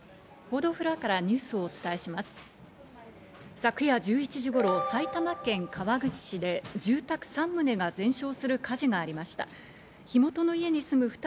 昨夜１１時頃、埼玉県川口市で住宅３棟が全焼する火事がありました。